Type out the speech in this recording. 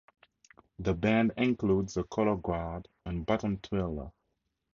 The band includes the Colorguard and Batton Twirler.